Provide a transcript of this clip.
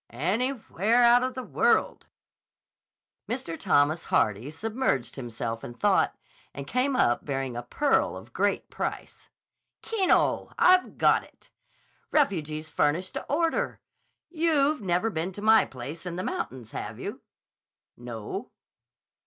"Anywhere out of the world." Mr. Thomas Harmon submerged himself in thought and came up bearing a pearl of great price. "Keno! I've got it. Refuges furnished to order. You've never been to my place in the mountains, have you?" "No."